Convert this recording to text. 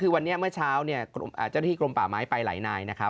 คือวันนี้เมื่อเช้าเนี่ยเจ้าหน้าที่กรมป่าไม้ไปหลายนายนะครับ